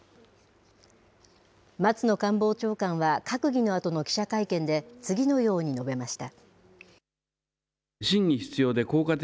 松野官房長官は閣議のあとの記者会見で次のように述べました。